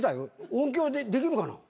音響できるかな？